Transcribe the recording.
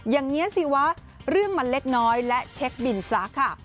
อย่างนี้สิวะเรื่องมันเล็กน้อยและเช็คบินซะค่ะ